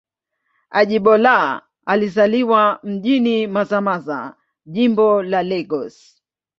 Ajibola alizaliwa mjini Mazamaza, Jimbo la Lagos.